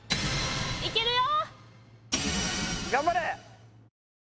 いけるよ！